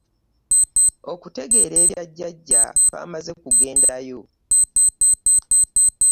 Okutegeera ebya jjajja twamaze kugendayo.